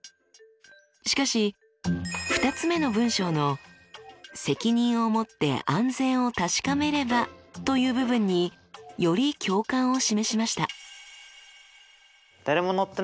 しかし２つ目の文章の「責任をもって安全を確かめれば」という部分により共感を示しました。